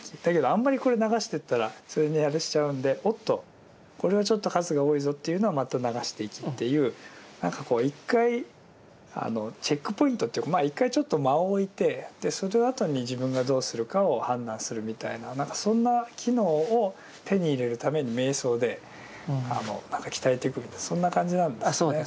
あんまりこれ流してったらそれにあれしちゃうんでおっとこれはちょっと数が多いぞっていうのはまた流していきっていう何か一回チェックポイントっていうか一回ちょっと間を置いてそのあとに自分がどうするかを判断するみたいなそんな機能を手に入れるために瞑想で鍛えていくみたいなそんな感じなんですね。